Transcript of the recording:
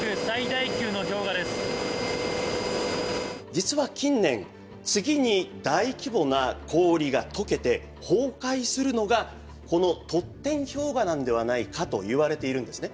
実は近年次に大規模な氷がとけて崩壊するのがこのトッテン氷河なんではないかといわれているんですね。